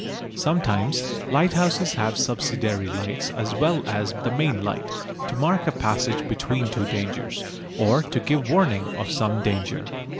Sometimes lighthouses have subsidiary lights as well as the main light, to mark a passage between two dangers, or to give warning of some danger.